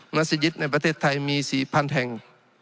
สยิตในประเทศไทยมี๔๐๐๐แห่ง